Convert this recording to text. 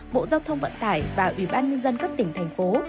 bộ giao thông vận tải và ủy ban nhân dân các tỉnh thành phố